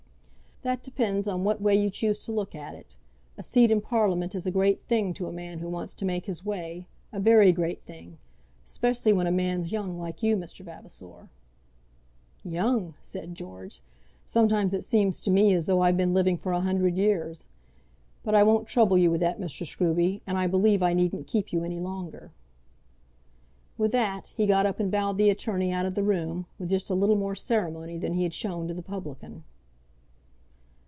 "That depends on what way you choose to look at it. A seat in Parliament is a great thing to a man who wants to make his way; a very great thing; specially when a man's young, like you, Mr. Vavasor." "Young!" said George. "Sometimes it seems to me as though I've been living for a hundred years. But I won't trouble you with that, Mr. Scruby, and I believe I needn't keep you any longer." With that, he got up and bowed the attorney out of the room, with just a little more ceremony than he had shown to the publican.